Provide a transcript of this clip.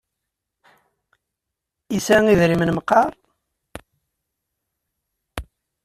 Yesɛa idrimen meqqar?